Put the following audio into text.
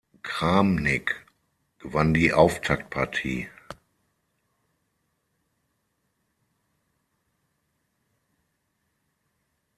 Kramnik gewann die Auftaktpartie.